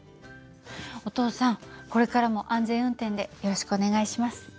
お父さんこれからも安全運転でよろしくお願いします。